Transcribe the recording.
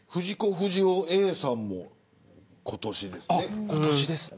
不二雄Ａさんも今年ですね。